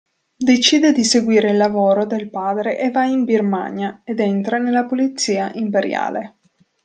Decide di seguire il lavoro del padre e va in Birmania ed entra nella Polizia Imperiale.